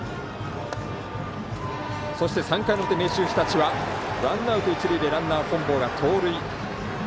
そして３回の表、明秀日立はワンアウト、ランナー、一塁でランナー本坊が盗塁。